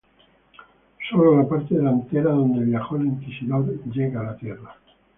Sólo la parte delantera, donde viaja el Inquisidor, llega a la Tierra.